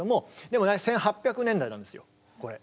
でもね１８００年代なんですよこれ。